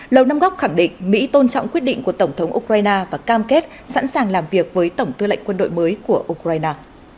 lầu năm góc khẳng định mỹ tôn trọng quyết định của tổng thống ukraine và cam kết sẵn sàng làm việc với tổng tư lệnh quân đội mới của ukraine